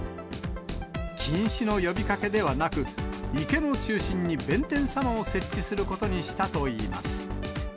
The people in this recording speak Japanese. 禁止の呼びかけではなく、池の中心に弁天様を設置することにしたといいます。